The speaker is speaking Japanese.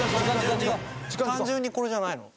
単純にこれじゃないの？